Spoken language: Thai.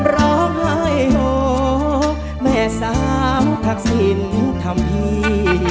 ร้องไห้โฮแม่สามทักษิณธรรมพี